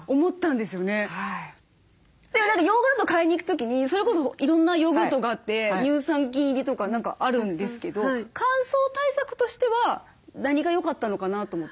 でもヨーグルト買いに行く時にそれこそいろんなヨーグルトがあって乳酸菌入りとか何かあるんですけど乾燥対策としては何がよかったのかなと思って。